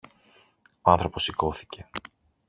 Ο άνθρωπος σηκώθηκε